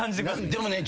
でもね